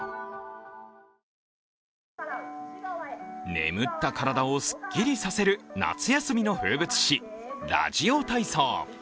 眠った体をすっきりさせる夏休みの風物詩、ラジオ体操。